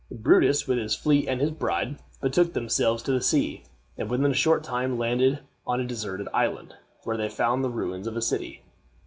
Brutus, with his fleet and his bride, betook themselves to sea, and within a short time landed on a deserted island, where they found the ruins of a city.